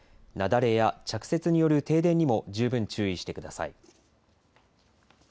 雪崩や着雪による停電にも十分注意してください。